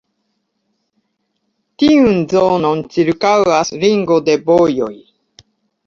Tiun zonon ĉirkaŭas ringo de vojoj.